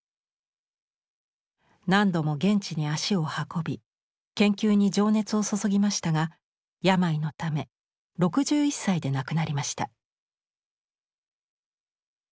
何度も現地に足を運び研究に情熱を注ぎましたが病のため６１歳で亡くなりました。